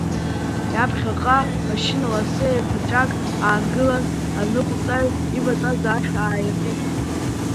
Иаԥхьаҟа машьына ласы еиқәаҵәак аангылан, аныҟәцаҩ иватәаз ашә ааиртит.